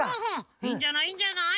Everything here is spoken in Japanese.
いいんじゃないいいんじゃない！